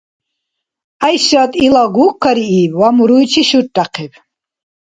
ГӀяйшат ила гугкарииб ва муруйчи шурряхъиб.